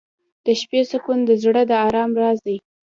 • د شپې سکون د زړه د ارام راز دی.